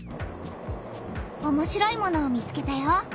おもしろいものを見つけたよ。